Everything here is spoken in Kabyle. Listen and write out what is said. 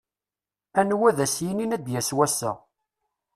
Anwa ad as-yinin a d-yass wass-a.